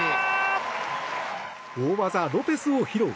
大技ロペスを披露。